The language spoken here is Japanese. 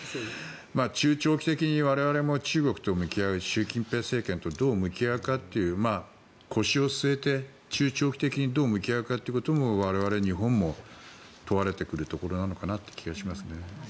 中長期的に我々も中国と向き合う習近平政権とどう向き合うかという腰を据えて、中長期的にどう向き合うかということも我々日本も問われてくるところなのかなという気がしますね。